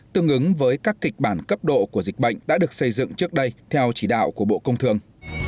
tương ứng với các kịch bản cấp độ của dịch bệnh đã được xây dựng trước đây theo chỉ đạo của bộ công thương